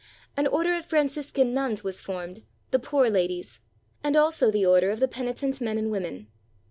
An order of Franciscan nuns was formed, the Poor Ladies ; and also the order of the Penitent Men and Women.